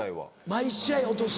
毎試合落とす。